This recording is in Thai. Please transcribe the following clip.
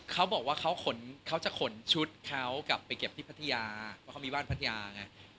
เขาบอกว่าเขาขนเขาจะขนชุดเขากลับไปเก็บที่พัทยาเพราะเขามีบ้านพัทยาไง